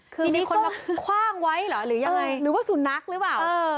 คือมีคนมาคว่างไว้เหรอหรือยังไงหรือว่าสุนัขหรือเปล่า